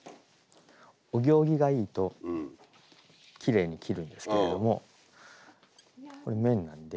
お行儀がいいときれいに切るんですけれども。